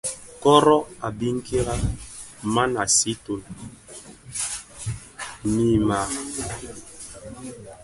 Koro a biňkira, man a siionèn mii maa.